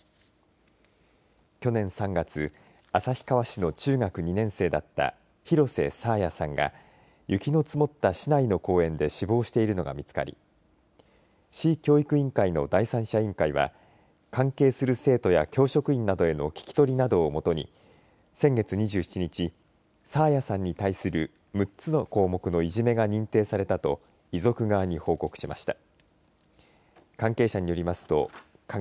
去年３月旭川市の中学２年生だった廣瀬爽彩さんが雪の積もった市内の公園で死亡しているのが見つかり市教育委員会の第三者委員会は関係する生徒や教職員などへの聞き取りなどをもとに先月２７日爽彩さんに対する６つの項目のいじめが認定されたと遺族側に報告しました。